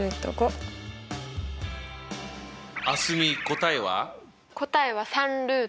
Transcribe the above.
答えは？